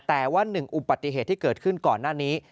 แต่ว่าหนึ่งอุบัติเหตุที่เกิดขึ้นก่อนหน้านี้